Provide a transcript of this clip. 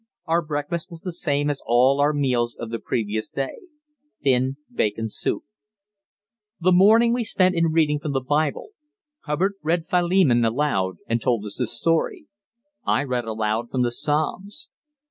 Our breakfast was the same as all our meals of the previous day thin bacon soup. The morning we spent in reading from the Bible. Hubbard read Philemon aloud and told us the story. I read aloud from the Psalms.